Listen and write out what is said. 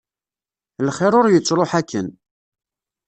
Lxir ur yettruḥ akken.